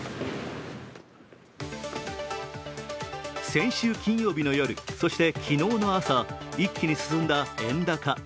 先週金曜日の夜そして昨日の朝一気に進んだ円高。